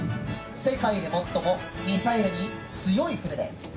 世界で最もミサイルに強い船です。